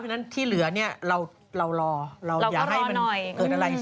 ฉะนั้นที่เหลือเนี่ยเรารอเราอย่าให้มันเกิดอะไรเราก็รอหน่อย